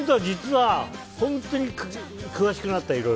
実は、本当に詳しくなった。